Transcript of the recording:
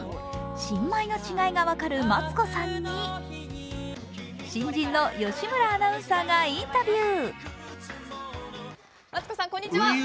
新米の違いが分かるマツコさんに、新人の吉村アナウンサーがインタビュー。